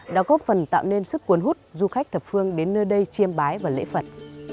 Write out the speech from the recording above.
đã góp phần tạo nên sức cuốn hút du khách thập phương đến nơi đây chiêm bái và lễ phật